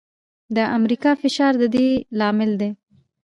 د امریکا فشار د دې لامل دی.